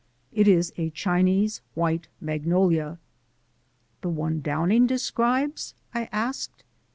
It is a Chinese white magnolia." "The one Downing describes?" I asked.